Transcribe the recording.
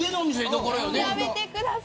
やめてください。